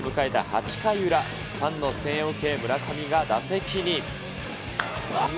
８回裏、ファンの声援を受け、村上が打席に。